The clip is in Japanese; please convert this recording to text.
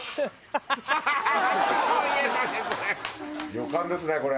旅館ですねこれ。